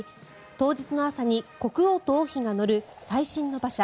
当日の朝に国王と王妃が乗る最新の馬車